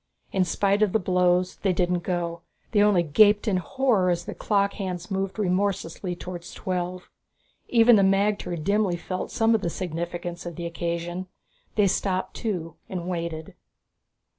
In spite of the blows, they didn't go; they only gaped in horror as the clock hands moved remorselessly towards twelve. Even the magter dimly felt some of the significance of the occasion. They stopped too and waited.